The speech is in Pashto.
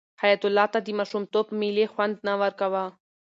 حیات الله ته د ماشومتوب مېلې خوند نه ورکاوه.